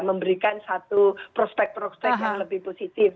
memberikan satu prospek prospek yang lebih positif